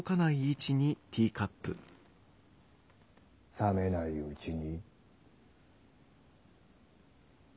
冷めないうちに。